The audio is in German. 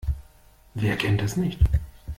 Wer kennt das nicht?